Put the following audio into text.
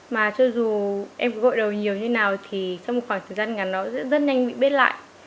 mà cho dù em có gội đầu nhiều như nào thì trong một khoảng thời gian ngắn nó sẽ rất nhanh bị bết lại